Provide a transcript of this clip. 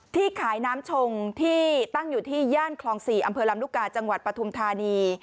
ที่ขายน้ำชงที่ตั้งอยู่ที่ย่านคลอง๔อำเภอลำลูกกาจังหวัดปฐุมธานี